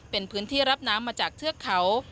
เป็นพื้นที่รับน้ำมาจากเทือกเขา